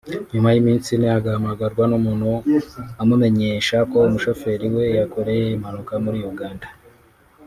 nyuma y’iminsi ine agahamagarwa n’umuntu amumenyesha ko umushoferi we yakoreye impanuka muri Uganda